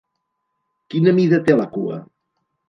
Quina mida té la cua?